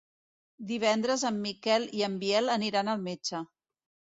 Divendres en Miquel i en Biel aniran al metge.